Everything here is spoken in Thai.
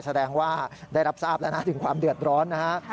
แสดงว่าได้รับทราบแล้วนะถึงความเดือดร้อนนะฮะ